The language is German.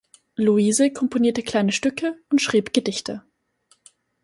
Luise komponierte kleine Stücke und schrieb Gedichte.